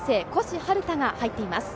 陽汰が入っています。